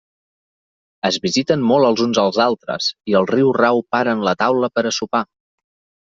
Es visiten molt els uns als altres, i al riurau paren la taula per a sopar.